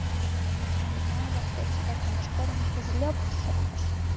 Алинан воктеч эртымыж годым пызльоп! шоктыш.